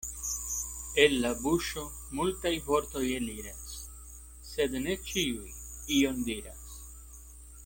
El la buŝo multaj vortoj eliras, sed ne ĉiuj ion diras.